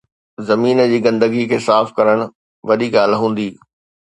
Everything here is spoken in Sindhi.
زمين جي گندگي کي صاف ڪرڻ وڏي ڳالهه هوندي